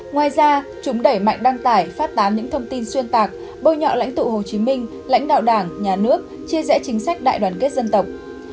ngoài ra chúng đẩy mạnh đăng tải phát tán những thông tin xuyên tạc bôi nhọ lãnh tụ hồ chí minh lãnh đạo đảng nhà nước chia rẽ chính sách đại đoàn kết dân tộc